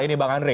ini pak andre